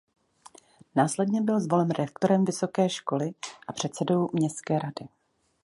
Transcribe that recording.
Následně byl zvolen rektorem vysoké školy a předsedou městské rady.